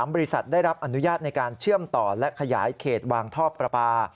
บริษัทได้รับอนุญาตในการเชื่อมต่อและขยายเขตวางท่อประปา